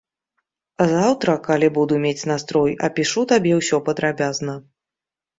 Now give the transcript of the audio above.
Заўтра, калі буду мець настрой, апішу табе ўсё падрабязна.